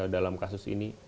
dalam kasus ini